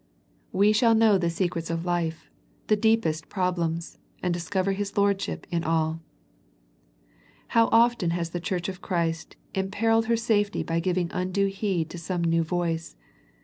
We shall 130 A First Century Message know the secrets of life, the deepest problems, and discover His Lordship in all. How often has the Church of Christ imper illed her safety by ^ivin^ undue heed to some new voice.